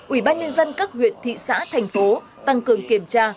ủy ban nhân dân các huyện thị xã thành phố tăng cường kiểm tra